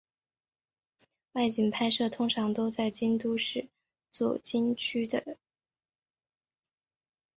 外景拍摄通常都在京都市左京区的冈崎周边进行。